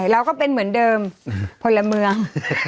เราก็เป็นเหมือนเดิมพลเมือง